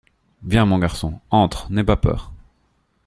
Viens, mon garçon, entre, n’aie pas peur!